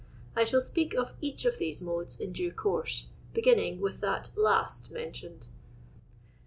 I shall speak of each of these moiU'S in due course, beginning with that last mentioned.